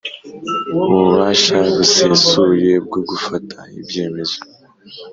ububasha busesuye bwo gufata ibyemezo